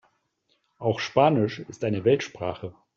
Auch Spanisch ist eine Weltsprache.